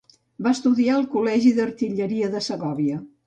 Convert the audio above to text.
Va estudiar al Col·legi d'Artilleria de Segòvia.